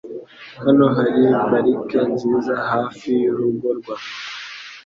Hano hari parike nziza hafi yurugo rwanjye.